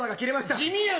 地味やな。